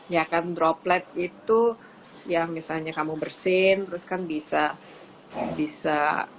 ya kan droplet itu ya misalnya kamu bersin terus kan bisa bisa